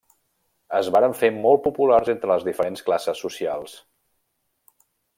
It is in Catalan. Es varen fer molt populars entre les diferents classes socials.